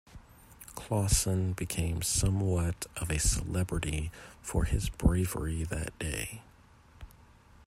Clawson became somewhat of a celebrity for his bravery that day.